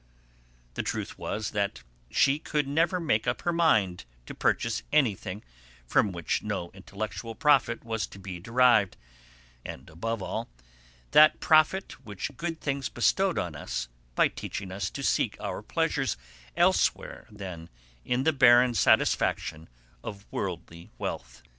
The truth was that she could never make up her mind to purchase anything from which no intellectual profit was to be derived, and, above all, that profit which good things bestowed on us by teaching us to seek our pleasures elsewhere than in the barren satisfaction of worldly wealth.